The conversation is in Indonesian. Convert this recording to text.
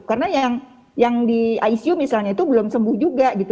karena yang di icu misalnya itu belum sembuh juga gitu